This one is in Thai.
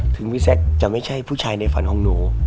ถึงพี่แซคจะไม่ใช่ผู้ชายในฝันของหนู